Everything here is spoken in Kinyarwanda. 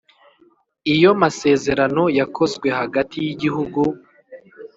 Iyo masezerano yakozwe hagati y igihugu